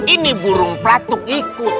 ini burung platuk ikut